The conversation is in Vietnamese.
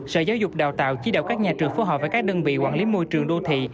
sở giáo dục đào tạo chỉ đạo các nhà trường phù hợp với các đơn vị quản lý môi trường đô thị